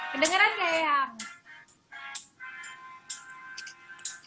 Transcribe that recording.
kedengaran ya eyang